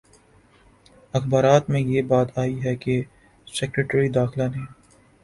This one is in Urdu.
اخبارات میں یہ بات آئی ہے کہ سیکرٹری داخلہ نے